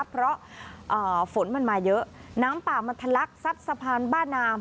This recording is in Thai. เพราะฝนมันมาเยอะน้ำป่ามันทะลักซัดสะพานบ้านนาม